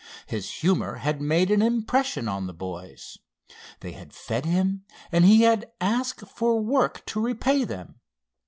His humor had made an impression on the boys. They had fed him and he had asked for work to repay them.